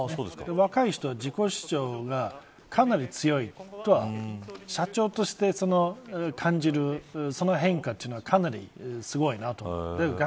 若い人は自己主張がかなり強いとは社長として感じるその変化というのはかなりすごいなと。